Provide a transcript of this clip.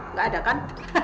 nggak ada kan